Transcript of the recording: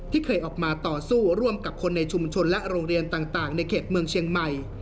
ที่เคยออกมาต่อสู้ร่วมกับคนในชุมชนและโรงเรียนต่างในเขตเมืองเชียงใหม่